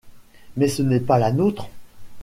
Mais ce n’est pas la nôtre.